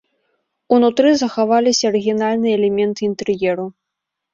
Унутры захаваліся арыгінальныя элементы інтэр'еру.